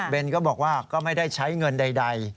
เป็นก็บอกว่าก็ไม่ได้ใช้เงินใด